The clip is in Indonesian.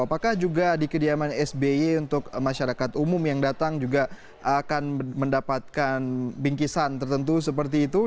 apakah juga di kediaman sby untuk masyarakat umum yang datang juga akan mendapatkan bingkisan tertentu seperti itu